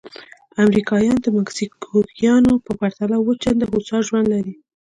امریکایان د مکسیکویانو په پرتله اووه چنده هوسا ژوند لري.